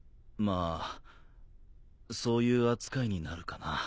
まあそういう扱いになるかな